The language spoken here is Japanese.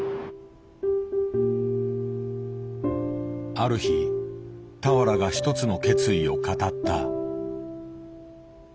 ある日俵が一つの決意を語った。